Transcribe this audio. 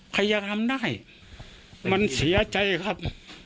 พยายามทำได้มันเสียใจครับ